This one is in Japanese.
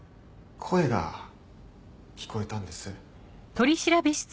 声が聞こえたんです